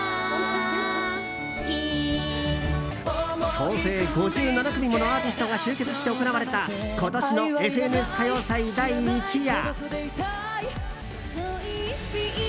総勢５７組ものアーティストが集結して行われた今年の「ＦＮＳ歌謡祭」第１夜。